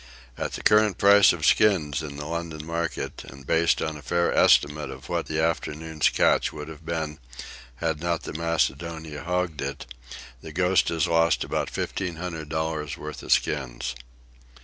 At the current price of skins in the London market, and based on a fair estimate of what the afternoon's catch would have been had not the Macedonia hogged it, the Ghost has lost about fifteen hundred dollars' worth of skins."